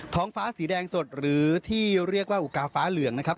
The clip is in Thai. ท้องฟ้าสีแดงสดหรือที่เรียกว่าอุกาฟ้าเหลืองนะครับ